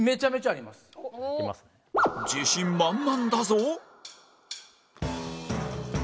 自信満々だぞ